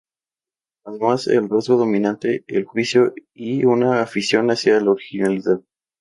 Además del rasgo dominante el juicio, y una afición hacia la originalidad.